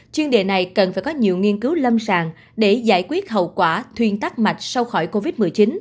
chuyên đề này cần phải có nhiều nghiên cứu lâm sàng để giải quyết hậu quả thuyền tắc mạch sau khỏi covid một mươi chín